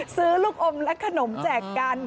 ซื้อลูกอมและขนมแจกกัน